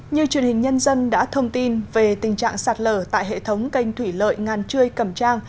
như truyền hình nhân dân đã thông tin về tình trạng sạt lở tại hệ thống kênh thủy lợi ngàn trươi cầm trang